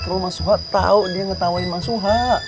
kalau mas suha tau dia ngetawain mas suha